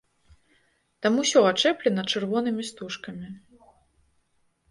Там усё ачэплена чырвонымі стужкамі.